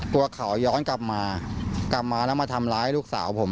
ตัวเขาย้อนกลับมากลับมาแล้วมาทำร้ายลูกสาวผม